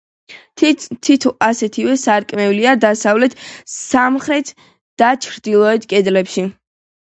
თითო ასეთივე სარკმელია დასავლეთ, სამხრეთ და ჩრდილოეთ კედლებში.